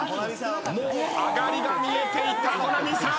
もう上がりが見えていた保奈美さん